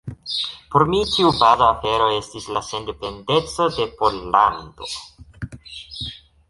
Por mi tiu baza afero estis la sendependeco de Pollando.